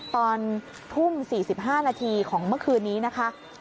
ตอนทุ่ม๔๕นาทีของเมื่อคืนนี้นะคะ